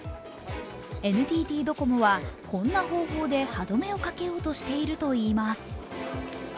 ＮＴＴドコモはこんな方法で歯止めをかけようとしているといいます。